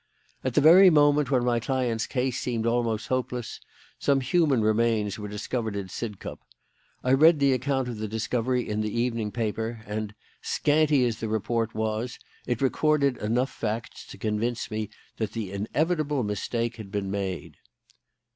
"At the very moment when my client's case seemed almost hopeless, some human remains were discovered at Sidcup. I read the account of the discovery in the evening paper, and, scanty as the report was, it recorded enough facts to convince me that the inevitable mistake had been made."